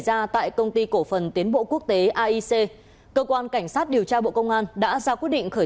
ra tại công ty cổ phần tiến bộ quốc tế aic cơ quan cảnh sát điều tra bộ công an đã ra quyết định khởi